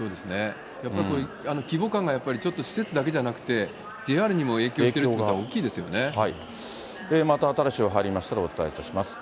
やっぱり規模感が施設だけじゃなくってＪＲにも影響してるとまた新しい情報入りましたらお伝えいたします。